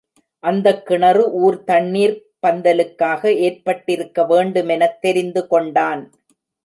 அந்தக் கிணறு ஊர் தண்ணிர்ப் பந்தலுக்காக ஏற்பட்டிருக்க வேண்டுமெனத் தெரிந்து கொண்டான்.